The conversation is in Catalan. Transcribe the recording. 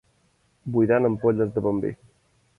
Buidant ampolles de bon vi.